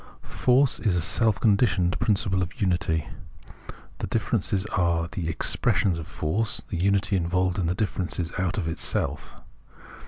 "Force" is a self conditioned principle of unity; the differences are the "expressions of force,'' the unity evolves the diiferences out of itself.